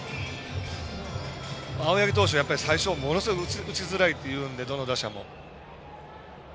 青柳投手、最初、ものすごい打ちづらいっていうんでどの打者も。